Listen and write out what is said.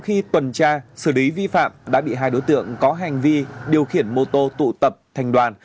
khi tuần tra xử lý vi phạm đã bị hai đối tượng có hành vi điều khiển mô tô tụ tập thành đoàn